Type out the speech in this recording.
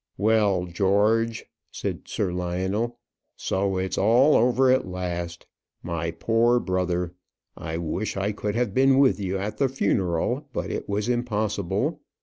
"Well, George," said Sir Lionel; "so it's all over at last. My poor brother! I wish I could have been with you at the funeral; but it was impossible.